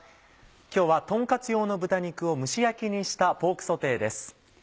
今日はとんカツ用の豚肉を蒸し焼きにしたポークソテーです。